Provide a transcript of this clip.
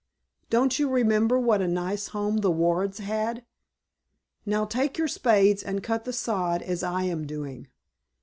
Don't you remember what a nice home the Wards had? Now take your spades and cut the sod as I am doing.